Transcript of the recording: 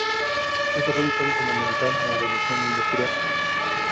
Esto fue un cambio fundamental en la revolución industrial.